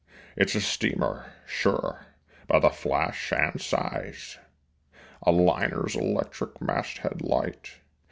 It's a steamer, sure, by the flash and size A liner's electric masthead light.